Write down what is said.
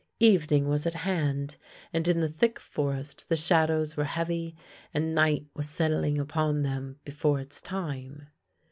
Evening was at hand, and in the thick forest the shadows were heavy and night was settling upon them before its time.